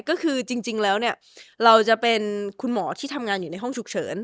ก็คือจริงแล้วเนี่ยเราจะเป็นคุณหมอที่ทำงานอยู่ในห้องฉุกเฉิน